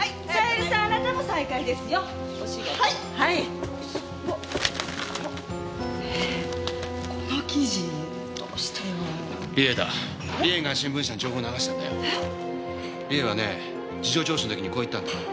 理恵はね事情聴取の時にこう言ったんだ。